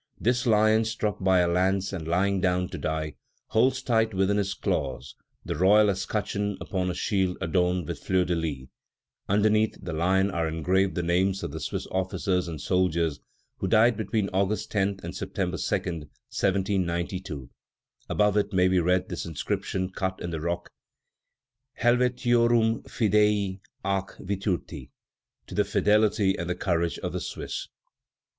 This lion, struck by a lance, and lying down to die, holds tight within his claws the royal escutcheon upon a shield adorned with fleurs de lis. Underneath the lion are engraved the names of the Swiss officers and soldiers who died between August 10 and September 2, 1792. Above it may be read this inscription cut in the rock: HELVETIORUM FIDEI AC VIRTUTI. _To the fidelity and courage of the Swiss.